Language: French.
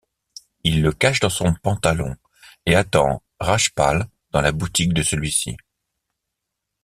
Il le cache dans son pantalon et attend Rajpal dans la boutique de celui-ci.